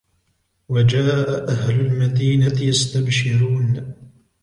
وَجَاءَ أَهْلُ الْمَدِينَةِ يَسْتَبْشِرُونَ